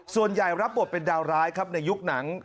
ส่วนใหญ่รับบทเป็นดาวร้ายครับในยุคหนัง